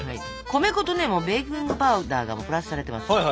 米粉とベーキングパウダーがプラスされてますので。